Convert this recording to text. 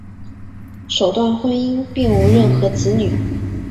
首段婚姻并无任何子女。